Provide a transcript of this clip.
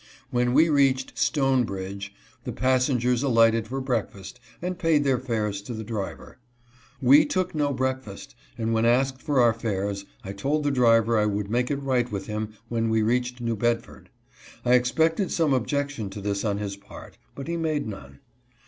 When we reached "Stone Bridge" the passengers alighted for breakfast and paid their fares to the driver. We took no breakfast, and when asked for our fares I told the driver I would make it right with him when we reached New Bedford. I expected some objection to this on his part, but he made none.